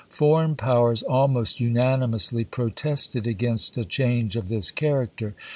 Foreign powers almost unanimously protested against a change of this character.